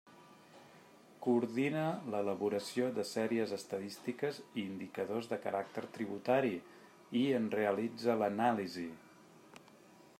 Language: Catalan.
Coordina l'elaboració de sèries estadístiques i indicadors de caràcter tributari, i en realitza l'anàlisi.